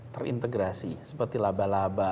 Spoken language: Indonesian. terintegrasi seperti laba laba